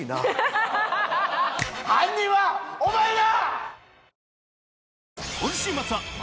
犯人はお前だ！